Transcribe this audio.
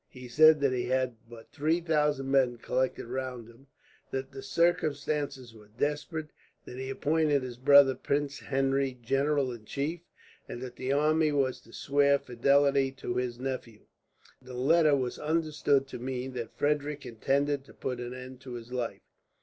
He said that he had but three thousand men collected round him, that the circumstances were desperate, that he appointed his brother Prince Henry general in chief, and that the army was to swear fidelity to his nephew. The letter was understood to mean that Frederick intended to put an end to his life.